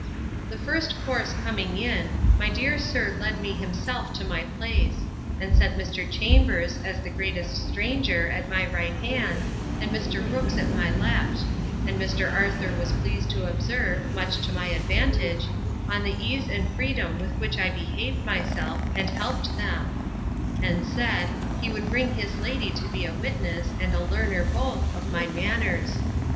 The first course coming in, my dear sir led me himself to my place; and set Mr. Chambers, as the greatest stranger, at my right hand, and Mr. Brooks at my left; and Mr. Arthur was pleased to observe, much to my advantage, on the ease and freedom with which I behaved myself, and helped them; and said, he would bring his lady to be a witness, and a learner both, of my manners.